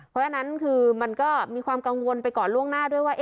เพราะฉะนั้นคือมันก็มีความกังวลไปก่อนล่วงหน้าด้วยว่า